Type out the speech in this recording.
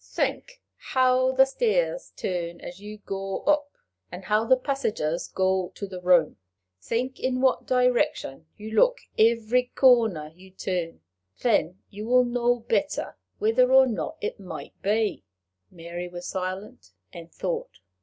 "Think how the stairs turn as you go up, and how the passages go to the room. Think in what direction you look every corner you turn. Then you will know better whether or not it might be." Mary was silent, and thought.